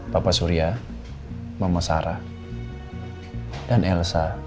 bapak surya mama sarah dan elsa